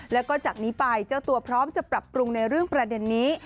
แล้วก็จากนี้ไปเจ้าตัวพร้อมจะปรับปรุงในเรื่องประเด็นนี้